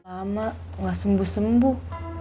lama gak sembuh sembuh